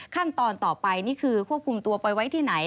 ขั้นตอนต่อไปนี่คือควบคุมตัวไปไว้ที่ไหน